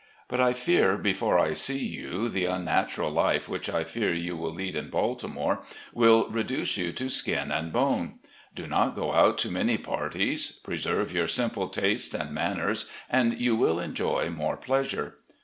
But I fear before I see you the unnatural hfe, which I fear you will lead in Baltimore, will reduce you to skin and bone. Do not go out to many parties, preserve your simple tastes and manners, and you will enjoy more pleasure.